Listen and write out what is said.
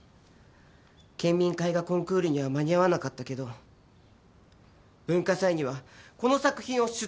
県民絵画コンクールには間に合わなかったけど文化祭にはこの作品を出展しよう。